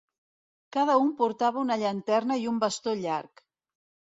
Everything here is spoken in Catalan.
Cada un portava una llanterna i un bastó llarg.